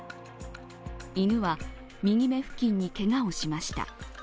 犬は右目付近にけがをしました。